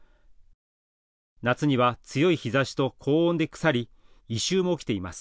夏には強い日ざしと高温で腐り異臭も起きています。